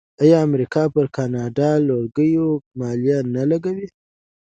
آیا امریکا پر کاناډایی لرګیو مالیه نه لګوي؟